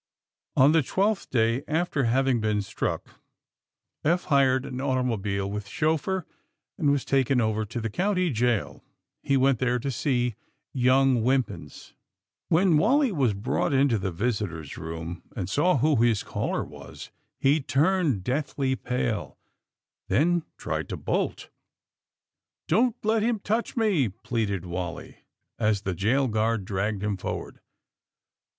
On the twelfth day after having been struck Eph hired an automobile, with chauffear, and was taken over to the county jail. He went there to see young Wimpins. When Wally was brought into the visitors* room, and saw who his caller was, he turned deathly pale, then tried to bolt. Don't let him touch me!" pleaded Wally, as the jail guard dragged him forward.